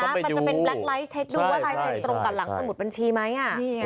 มันจะเป็นแล็คไลท์เช็คดูว่าลายเซ็นต์ตรงกับหลังสมุดบัญชีไหม